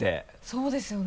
そうですよね。